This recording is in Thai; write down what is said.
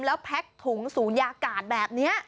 แล้วแพ็กถุงศูนยากาศแบบนี้